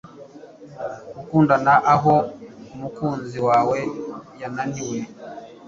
gukundana aho umukunzi wawe yananiwe